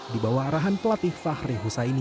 di bawah arahan pelatih fahri husaini